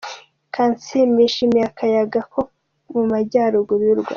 Kansiime yishimiye akayaga ko mu Majyaruguru y'u Rwanda.